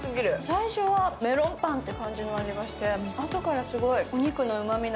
最初はメロンパンって感じの味がしてあとから、お肉のうまみが。